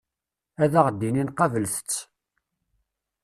Ad aɣ-d-inin qablet-tt.